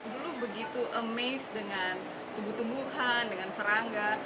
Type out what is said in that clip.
dulu begitu amazed dengan tubuh tubuhan dengan serangga